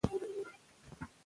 زه غواړم چې د کرکت لوبه وکړم.